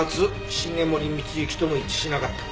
繁森光之とも一致しなかった。